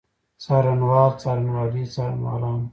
څارنوال، څارنوالي، څارنوالانو.